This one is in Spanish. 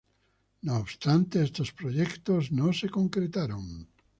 No obstante, estos proyectos no se concretaron.